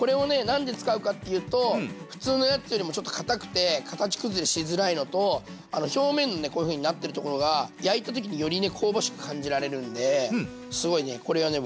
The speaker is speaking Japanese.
何で使うかっていうと普通のやつよりもちょっとかたくて形崩れしづらいのと表面のねこういうふうになってるところが焼いた時により香ばしく感じられるんですごいねこれはね